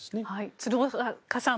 鶴岡さん